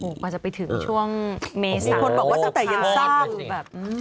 กว่าจะไปถึงช่วงเมษมีคนบอกว่าตั้งแต่ยังสร้างแบบ